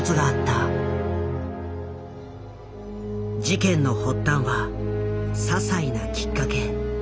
事件の発端は些細なきっかけ。